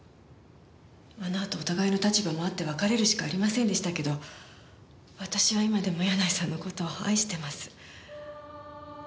あのあとお互いの立場もあって別れるしかありませんでしたけど私は今でも柳井さんの事を愛してます。